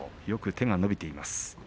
よく手が伸びています。